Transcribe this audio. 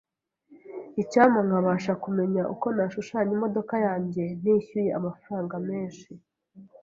Icyampa nkabasha kumenya uko nashushanya imodoka yanjye ntishyuye amafaranga menshi